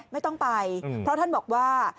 ไม่ต้องไปเพราะท่านบอกว่า